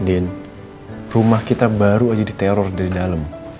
din rumah kita baru aja diteror dari dalam